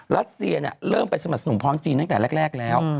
รัสเซียเริ่มไปสมพร้อมจีนตั้งแต่แรกแล้ว